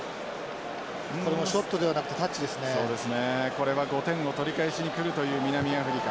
これは５点を取り返しにくるという南アフリカ。